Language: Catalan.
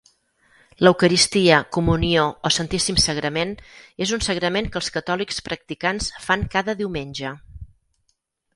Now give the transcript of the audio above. L'eucaristia, comunió o santíssim sagrament és un sagrament que els catòlics practicants fan cada diumenge.